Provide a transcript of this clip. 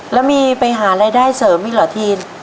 แล้วมีไปหารายได้เสริมอีกเหรอทีน